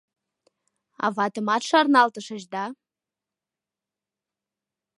— Аватымат шарналтышыч, да?